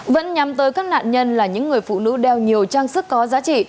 vẫn nhắm tới các nạn nhân là những người phụ nữ đeo nhiều trang sức có giá trị